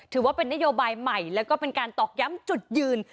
ถือว่าเป็นนโยบายใหม่แล้วก็เป็นการตอกย้ำจุดยืน